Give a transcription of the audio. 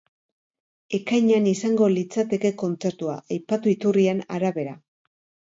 Ekainean izango litzateke kontzertua aipatu iturrien arabera.